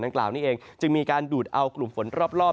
กล่าวนี้เองจึงมีการดูดเอากลุ่มฝนรอบ